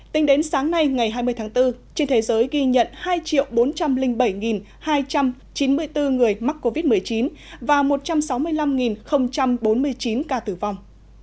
tính đến sáng nay ngày hai mươi tháng bốn trên thế giới ghi nhận hai bốn trăm linh bảy hai trăm chín mươi bốn người mắc covid một mươi chín và một trăm sáu mươi năm bốn mươi chín ca tử vong